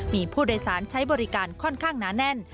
มีผู้โดยสารใช้บริการค่อนข้างหนาแน่น